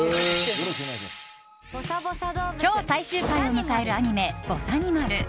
今日、最終回を迎えるアニメ「ぼさにまる」。